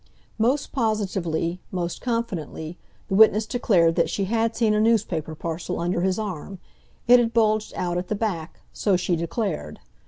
Most positively, most confidently, the witness declared that she had seen a newspaper parcel under his arm; it had bulged out at the back—so she declared.